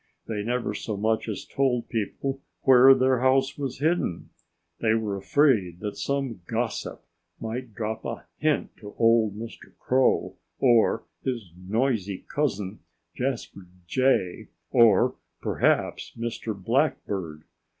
They never so much as told people where their house was hidden. They were afraid that some gossip might drop a hint to old Mr. Crow, or his noisy cousin, Jasper Jay, or perhaps Mr. Blackbird.